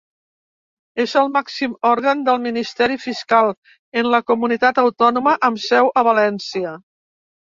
És el màxim òrgan del Ministeri Fiscal en la comunitat autònoma, amb seu a València.